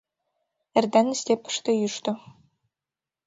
Эрдене степьыште йӱштӧ.